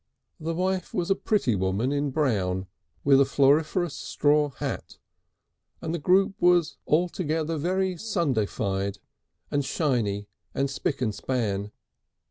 The wife was a pretty woman in brown with a floriferous straw hat, and the group was altogether very Sundayfied and shiny and spick and span.